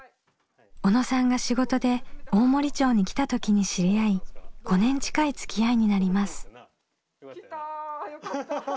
小野さんが仕事で大森町に来た時に知り合い５年近いつきあいになります。